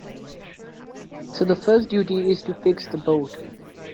So the first duty is to fix the boat.